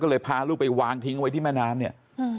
ก็เลยพาลูกไปวางทิ้งไว้ที่แม่น้ำเนี่ย